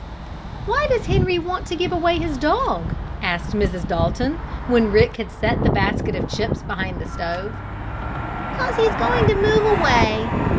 "Why does Henry want to give away his dog?" asked Mrs. Dalton, when Rick had set the basket of chips behind the stove. "'Cause he's going to move away.